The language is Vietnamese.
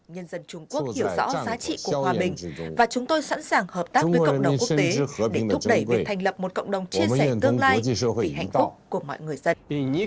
nhân dân trung quốc hiểu rõ giá trị của hòa bình và chúng tôi sẵn sàng hợp tác với cộng đồng quốc tế để thúc đẩy việc thành lập một cộng đồng chia sẻ tương lai vì hạnh phúc của mọi người dân